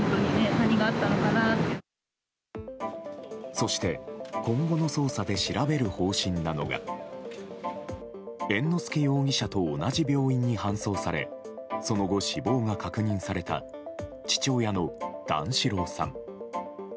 そして今後の捜査で調べる方針なのが猿之助容疑者と同じ病院に搬送されその後、死亡が確認された父親の段四郎さん。